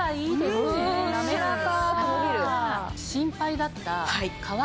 滑らか。